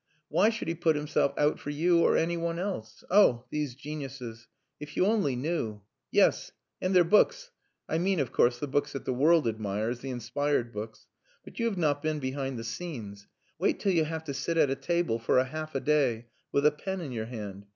"Why should he put himself out for you or any one else? Oh! these geniuses. If you only knew! Yes! And their books I mean, of course, the books that the world admires, the inspired books. But you have not been behind the scenes. Wait till you have to sit at a table for a half a day with a pen in your hand.